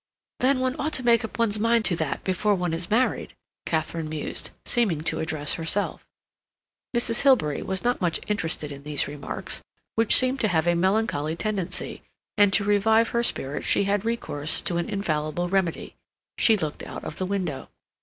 "Then one ought to make up one's mind to that before one is married," Katharine mused, seeming to address herself. Mrs. Hilbery was not much interested in these remarks, which seemed to have a melancholy tendency, and to revive her spirits she had recourse to an infallible remedy—she looked out of the window.